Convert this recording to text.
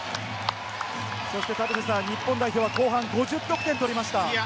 日本代表は後半５０得点取りました。